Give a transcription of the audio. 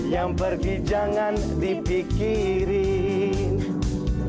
yang pergi jangan dipikirin